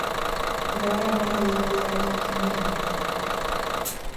Bora-bora lablari-da qimirlaydi…